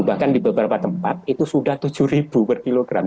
bahkan di beberapa tempat itu sudah rp tujuh per kilogram